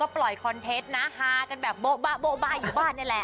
ปล่อยคอนเทนต์นะฮากันแบบโบ๊ะบ้าอยู่บ้านนี่แหละ